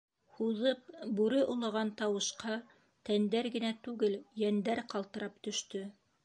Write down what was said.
Һуҙып бүре олоған тауышҡа тәндәр генә түгел, йәндәр ҡалтырап төштө.